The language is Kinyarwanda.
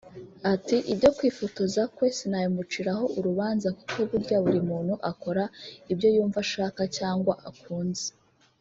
Ati “ Ibyo kwifotoza kwe sinabimuciraho urubanza kuko burya buri muntu akora ibyo yumva ashaka cyangwa akunze